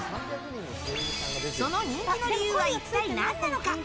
その人気の理由は一体何なのか。